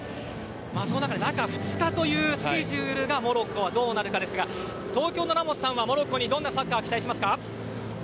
その中で中２日というスケジュールがモロッコはどうかというところですが東京のラモスさんはモロッコにどんなサッカーを期待しますか？